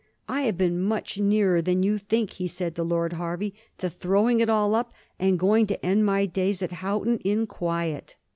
" I have been much nearer than you think," he said to Lord Hervey, " to throwing it all up and going to end my days at Houghton in quiet."